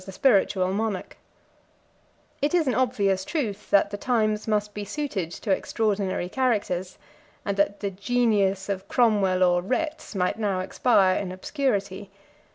] It is an obvious truth, that the times must be suited to extraordinary characters, and that the genius of Cromwell or Retz might now expire in obscurity.